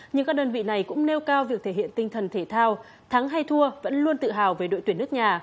nhưng các đơn vị này cũng nêu cao việc thể hiện tinh thần thể thao thắng hay thua vẫn luôn tự hào về đội tuyển nước nhà